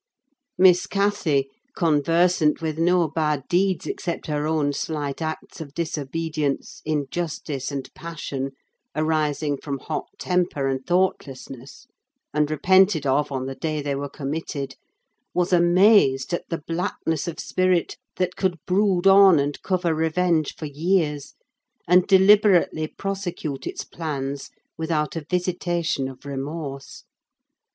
Miss Cathy—conversant with no bad deeds except her own slight acts of disobedience, injustice, and passion, arising from hot temper and thoughtlessness, and repented of on the day they were committed—was amazed at the blackness of spirit that could brood on and cover revenge for years, and deliberately prosecute its plans without a visitation of remorse.